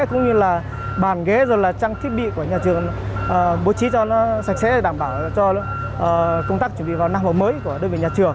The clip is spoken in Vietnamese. cũng như là bàn ghế trang thiết bị của nhà trường bố trí cho nó sạch sẽ để đảm bảo cho công tác chuẩn bị vào năm học mới của đối với nhà trường